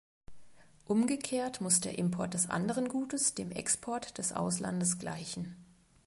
Umgekehrt muss der Import des anderen Gutes dem Export des Auslandes gleichen.